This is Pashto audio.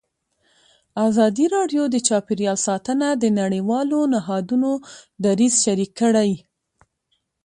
ازادي راډیو د چاپیریال ساتنه د نړیوالو نهادونو دریځ شریک کړی.